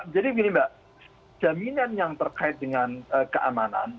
jadi begini mbak jaminan yang terkait dengan keamanan